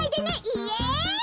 イエイ！